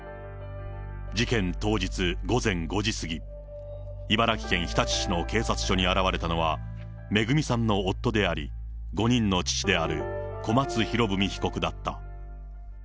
事件当日午前５時過ぎ、茨城県日立市の警察署に現れたのは、恵さんの夫であり、５人の父である、小松博文被告だった。